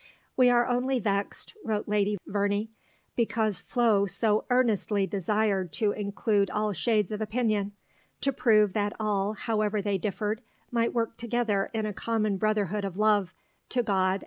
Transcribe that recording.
"We are only vexed," wrote Lady Verney, "because Flo so earnestly desired to include all shades of opinion, to prove that all, however they differed, might work together in a common brotherhood of love to God and man."